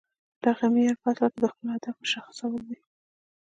دغه معیار په اصل کې د خپل هدف مشخصول دي